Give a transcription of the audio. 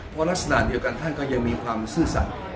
เพราะลักษณะเดียวกันท่านก็ยังมีความซื่อสัตว์